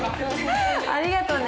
ありがとね。